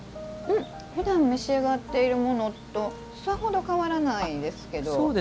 ふだん召し上がっているものとさほど変わらないですけど。